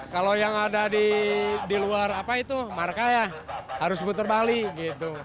kalau yang ada di luar apa itu marka ya harus putar balik gitu